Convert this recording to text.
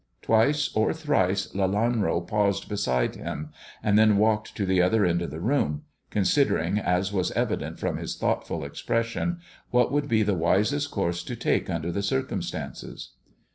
Twice or thrice Lelanro paused beside him, and then walked to the other end of the room, considering, as was evident from his thoughtful expression, what would be the wisest course to take under the circumstances.